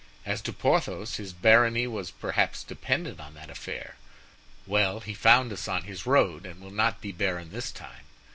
As to Porthos, his barony was perhaps dependent on that affair. Well, he found us on his road and will not be baron this time.